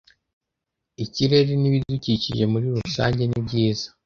ikirere n ibidukikije muri rusange nibyiza